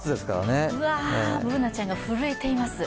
Ｂｏｏｎａちゃんが震えています。